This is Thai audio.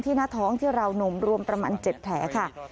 หน้าท้องที่ราวนมรวมประมาณ๗แผลค่ะ